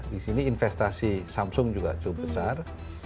di sini investasi samsung juga cukup besar